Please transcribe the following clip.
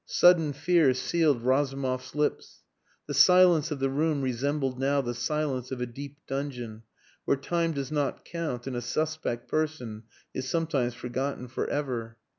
Sudden fear sealed Razumov's lips. The silence of the room resembled now the silence of a deep dungeon, where time does not count, and a suspect person is sometimes forgotten for ever.